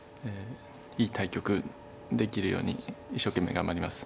いい対局できるように一生懸命頑張ります。